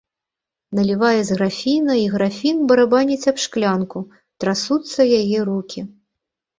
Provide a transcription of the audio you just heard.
Налівае з графіна, і графін барабаніць аб шклянку, трасуцца яе рукі.